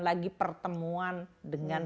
lagi pertemuan dengan